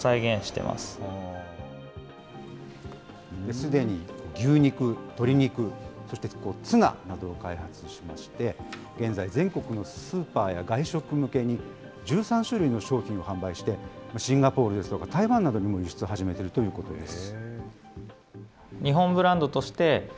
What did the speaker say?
すでに牛肉、鶏肉、そしてツナなどを開発しまして、現在、全国のスーパーや外食向けに１３種類の商品を販売して、シンガポールですとか、台湾などにも輸出を始めているということです。